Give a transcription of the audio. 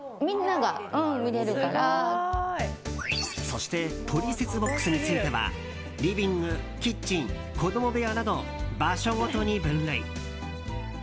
そして取説ボックスについてはリビング、キッチン子供部屋など、場所ごとに分類。